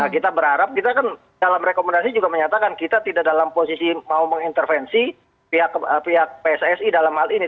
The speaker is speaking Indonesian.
kita berharap kita kan dalam rekomendasi juga menyatakan kita tidak dalam posisi mau mengintervensi pihak pssi dalam hal ini